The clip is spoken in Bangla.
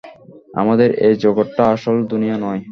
আমাদের এই জগতটা আসল দুনিয়া নয়!